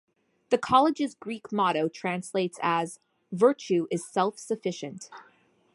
The college's Greek motto translates as "virtue is self-sufficient".